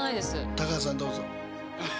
高畑さんどうぞ。